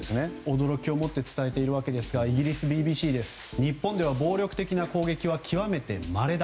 驚きをもって伝えているわけですがイギリスのＢＢＣ。日本では暴力的な攻撃は極めてまれだ。